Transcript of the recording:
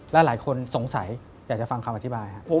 และหลายคนสงสัยอยากจะฟังคำอธิบายครับ